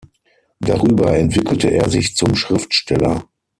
Darüber entwickelte er sich zum Schriftsteller.